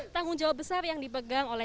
tanggung jawab besar yang diberikan adalah